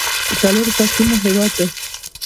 د څلورو فصلونو هیواد دی.